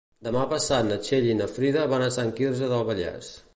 Demà passat na Txell i na Frida van a Sant Quirze del Vallès.